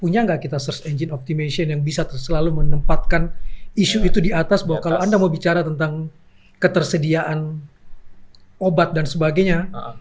punya nggak kita search engine optimation yang bisa selalu menempatkan isu itu di atas bahwa kalau anda mau bicara tentang ketersediaan obat dan sebagainya